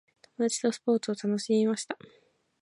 友達とスポーツを楽しみました。